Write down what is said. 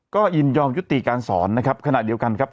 ก็ยินยอมยุติการสอนนะครับขณะเดียวกันครับ